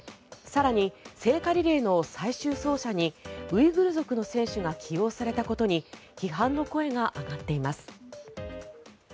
更に聖火リレーの最終走者にウイグル族の選手が起用されたことに批判の声が上がっています。